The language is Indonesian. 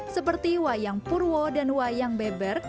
seperti wayang purwo dan wayang beber